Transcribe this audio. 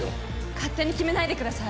勝手に決めないでください